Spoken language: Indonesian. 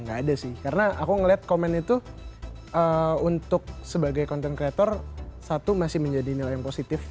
gak ada sih karena aku ngeliat komen itu untuk sebagai content creator satu masih menjadi nilai yang positif